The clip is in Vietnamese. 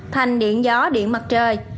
thành điện gió điện mặt trời